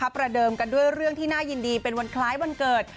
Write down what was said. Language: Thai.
ประเดิมกันด้วยเรื่องที่น่ายินดีเป็นวันคล้ายวันเกิด